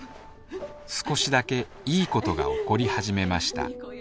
少しだけいいことが起こり始めました。